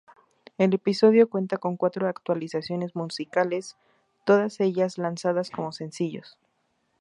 El episodio cuenta con cuatro actuaciones musicales, todas ellas lanzadas como sencillos.